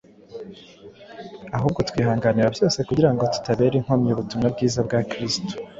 ahubwo twihanganira byose kugira ngo tutabera inkomyi ubutumwa bwiza bwa Kristo